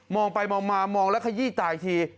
มองไปมองมามองแล้วขยี้ตายที